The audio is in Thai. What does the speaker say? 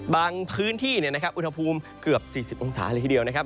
พื้นที่อุณหภูมิเกือบ๔๐องศาเลยทีเดียวนะครับ